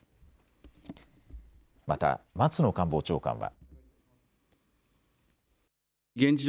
また松野官房長官は。